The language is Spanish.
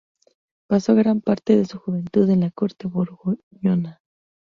Pasó gran parte de su juventud en la corte borgoñona.